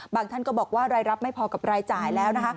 ท่านก็บอกว่ารายรับไม่พอกับรายจ่ายแล้วนะคะ